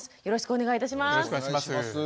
よろしくお願いします。